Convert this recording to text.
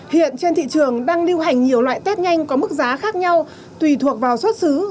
hiện trên thị trường đang lưu hành nhiều loại test nhanh có mức giá khác nhau tùy thuộc vào xuất xứ